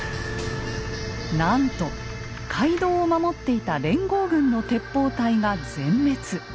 なんと街道を守っていた連合軍の鉄砲隊が全滅。